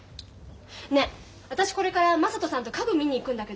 ねっ私これから雅人さんと家具見に行くんだけど。